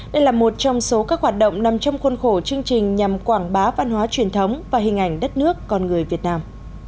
đây là một trong số các hoạt động nằm trong khuôn khổ chương trình nhằm quảng bá văn hóa truyền thống và hình ảnh đất nước con người việt nam